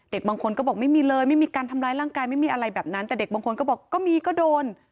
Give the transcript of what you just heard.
บางคนก็บอกไม่มีเลยไม่มีการทำร้ายร่างกายไม่มีอะไรแบบนั้นแต่เด็กบางคนก็บอกก็มีก็โดน